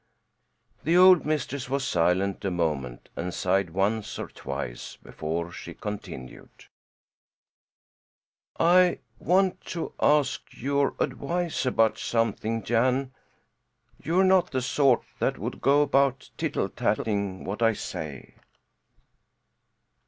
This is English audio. The old mistress was silent a moment, and sighed once or twice before she continued: "I want to ask your advice about something, Jan. You are not the sort that would go about tittle tattling what I say."